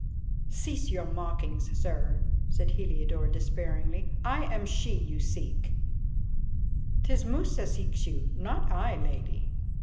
"Cease your mockings, sir," said Heliodore despairingly. "I am she you seek." "'Tis Musa seeks you, not I, Lady."